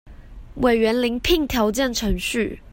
委員遴聘條件程序